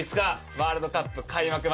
ワールドカップ開幕まで。